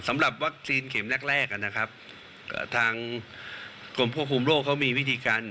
สำหรับวัคซีนเข็มแรกแรกนะครับทางกรมควบคุมโรคเขามีวิธีการ